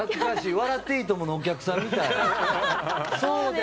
「笑っていいとも！」のお客さんみたい。